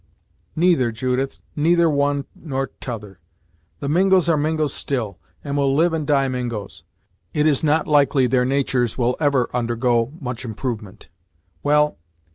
"Neither, Judith neither one nor t'other. The Mingos are Mingos still, and will live and die Mingos; it is not likely their natur's will ever undergo much improvement. Well!